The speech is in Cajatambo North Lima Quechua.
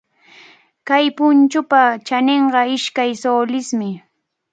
Kay punchupa chaninqa ishkay sulismi.